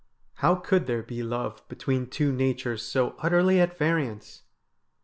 How could there be love between two natures so utterly at variance ?